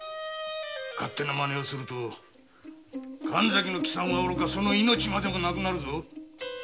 勝手なマネをすると神崎の帰参はおろかその命までもなくなるぞ！